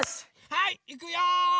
はいいくよ。